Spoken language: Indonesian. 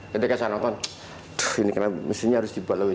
ketika saya nonton tuh ini kenapa mesinnya harus dibuat lebih